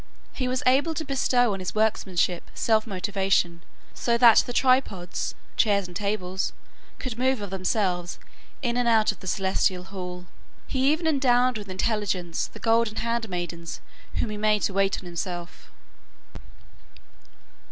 He was able to bestow on his workmanship self motion, so that the tripods (chairs and tables) could move of themselves in and out of the celestial hall. He even endowed with intelligence the golden handmaidens whom he made to wait on himself.